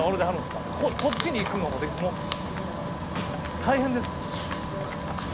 ってこっちにいくのも大変です。